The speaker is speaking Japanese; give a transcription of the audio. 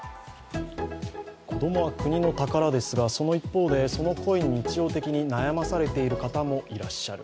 子供は国の宝ですがその一方でその声に日常的に悩まされている方もいらっしゃる。